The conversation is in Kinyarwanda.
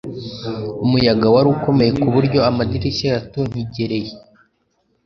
umuyaga wari ukomeye kuburyo amadirishya yatonkigeriye